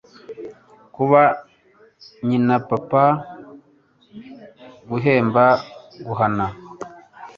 kuba nyina, papa, guhemba, guhana